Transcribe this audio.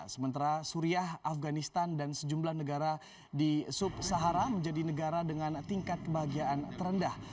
sementara suriah afganistan dan sejumlah negara di sub sahara menjadi negara dengan tingkat kebahagiaan terendah